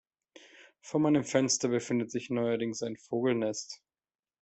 Vor meinem Fenster befindet sich neuerdings ein Vogelnest.